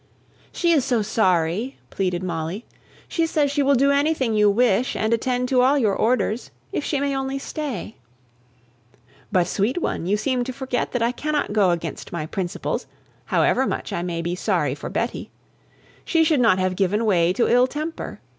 "She is so sorry," pleaded Molly; "she says she will do anything you wish, and attend to all your orders, if she may only stay." "But, sweet one, you seem to forget that I cannot go against my principles, however much I may be sorry for Betty. She should not have given way to ill temper.